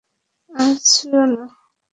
আর ছুঁয়ো না।